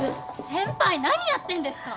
先輩何やってんですか？